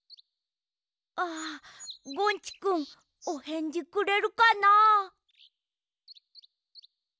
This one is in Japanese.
ああゴンチくんおへんじくれるかな。